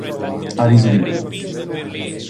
Ha riso di me.